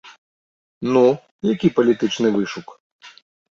Ну, які палітычны вышук?